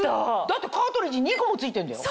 だってカートリッジ２個も付いてるんだよ。